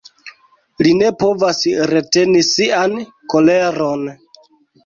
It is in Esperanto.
Li ne povas reteni sian koleron.